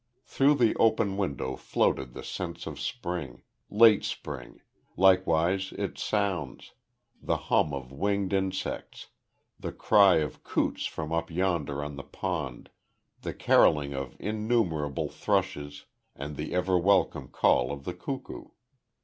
Through the open window floated the scents of spring late spring likewise its sounds, the hum of winged insects, the cry of coots from up yonder on the pond, the carolling of innumerable thrushes and the ever welcome call of the cuckoo.